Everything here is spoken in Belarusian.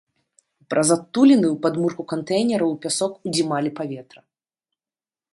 Праз адтуліны ў падмурку кантэйнера ў пясок удзімалі паветра.